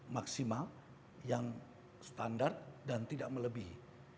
maksimal yang standar dan tidak melebihi